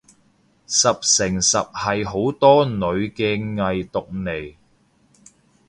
十成十係好多女嘅偽毒嚟